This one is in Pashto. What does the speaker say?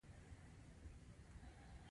د شرنۍ د بازار چوک ډیر شایسته دي.